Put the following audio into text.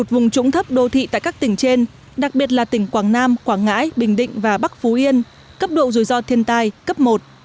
vùng trũng thấp đô thị tại các tỉnh trên đặc biệt là tỉnh quảng nam quảng ngãi bình định và bắc phú yên cấp độ rủi ro thiên tai cấp một